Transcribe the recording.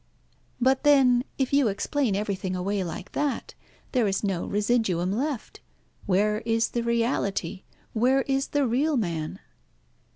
"But then, if you explain everything away like that, there is no residuum left. Where is the reality? Where is the real man?"